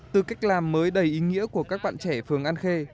từ cách làm mới đầy ý nghĩa của các bạn trẻ phường an khê